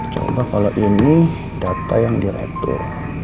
coba kalau ini data yang diatur